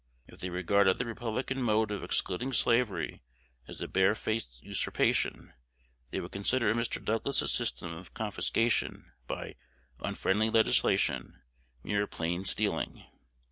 If they regarded the Republican mode of excluding slavery as a barefaced usurpation, they would consider Mr. Douglas's system of confiscation by "unfriendly legislation" mere plain stealing.